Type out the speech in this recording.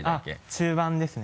中盤ですね。